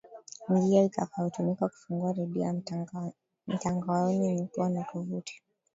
njia itakayotumika kufungua redio ya mtangaoni ni kuwa na tovuti